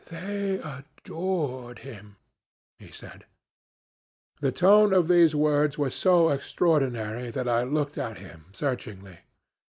'They adored him,' he said. The tone of these words was so extraordinary that I looked at him searchingly.